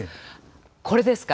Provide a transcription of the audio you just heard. これですか。